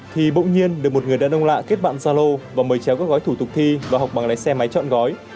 thì bỗng nhiên được một người đàn ông lạ kết bạn gia lô và mời chéo các gói thủ tục thi và học bằng lái xe máy chọn gói